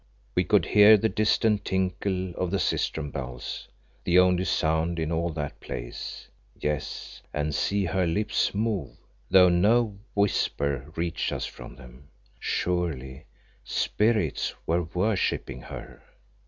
We could hear the distant tinkle of the sistrum bells, the only sound in all that place, yes, and see her lips move, though no whisper reached us from them. Surely spirits were worshipping her!